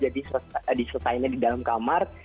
diselesaikan di dalam kamar